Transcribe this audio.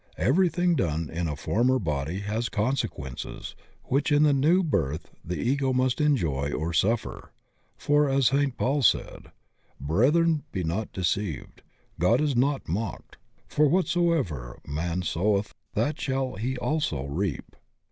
Everything done in a former body has consequences which in the new birth the Ego must enjoy or suffer, for, as St. Paul said: "Breth ren, be not deceived. God is not mocked,' for what soever a man soweth that shsJl he also reap."